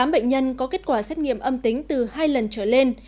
tám bệnh nhân có kết quả xét nghiệm âm tính từ hai lần trở lên